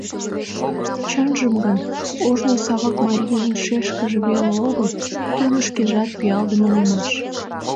Чынжым гын, ожно Савак марийын шешкыже веле огыл, тудо шкежат «пиалдыме» улмаш.